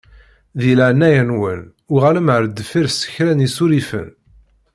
Di leɛnaya-nwen uɣalem ar deffir s kra n isurifen.